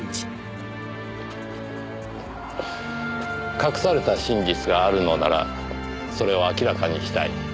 隠された真実があるのならそれを明らかにしたい。